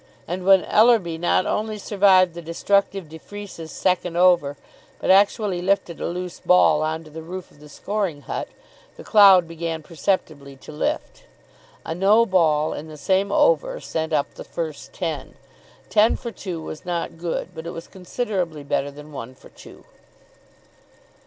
And when Ellerby not only survived the destructive de Freece's second over, but actually lifted a loose ball on to the roof of the scoring hut, the cloud began perceptibly to lift. A no ball in the same over sent up the first ten. Ten for two was not good; but it was considerably better than one for two.